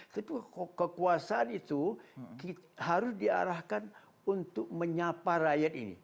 tapi kekuasaan itu harus diarahkan untuk menyapa rakyat ini